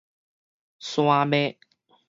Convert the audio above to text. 山脈